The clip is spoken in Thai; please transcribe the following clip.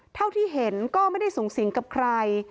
เท่าที่เห็นก็ไม่ได้สูงสิงกับใคร